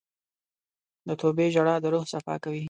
د توبې ژړا د روح صفا کوي.